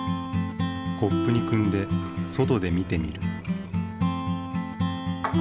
コップにくんで外で見てみる。